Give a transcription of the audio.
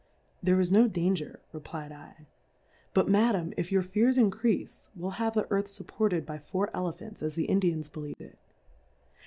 There is no Danger, refly'^dl^ but Madam, if your Fears increafe, we'll have the Earth fupported by four Ele phants, as the Indians believe it.